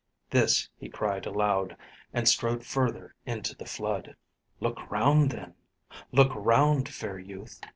This he cried aloud, and strode further into the flood. "Look round then look round, fair youth!"